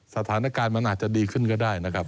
สถานการณ์มันอาจจะดีขึ้นก็ได้นะครับ